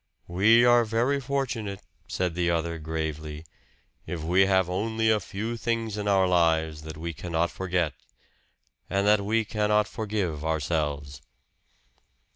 "We are very fortunate," said the other gravely, "if we have only a few things in our lives that we cannot forget, and that we cannot forgive ourselves."